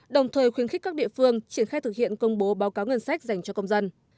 đồng thời khuyến khích các địa phương triển khai thực hiện công bố báo cáo ngân sách dành cho công dân